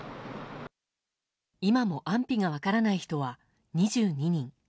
今も安否が分からない人は２２人。